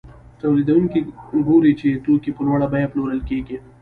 تولیدونکي ګوري چې توکي په لوړه بیه پلورل کېږي